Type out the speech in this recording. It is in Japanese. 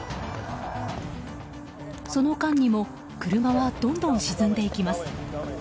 その間にも車はどんどん沈んでいきます。